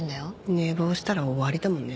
寝坊したら終わりだもんね。